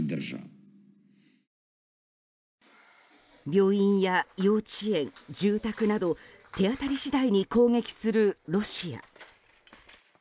病院や幼稚園、住宅など手当たり次第に攻撃するロシア。